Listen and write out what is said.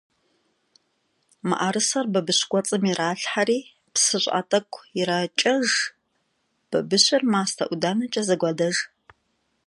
МыӀэрысэхэр бабыщ кӀуэцӀым иралъхьэри, псы щӀыӀэ тӀэкӀу иракӀэж, бабыщыр мастэ-ӀуданэкӀэ зэгуадэж.